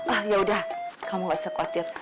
ah yaudah kamu gak usah khawatir